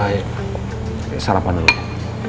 ya sarapan dulu pak